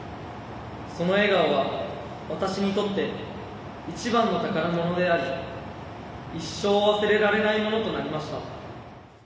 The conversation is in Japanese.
その笑顔は私にとって一番の宝物であり一生忘れられないものとなりました。